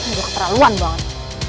ini juga keterlaluan banget